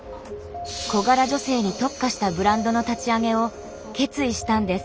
小柄女性に特化したブランドの立ち上げを決意したんです。